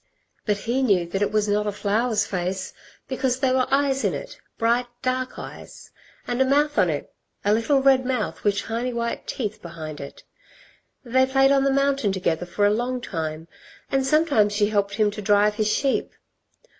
But he knew that it was not a flower's face, because there were eyes in it, bright, dark eyes and a mouth on it ... a little, red mouth with tiny, white teeth behind it. They played on the mountain together for a long time and sometimes she helped him to drive his sheep.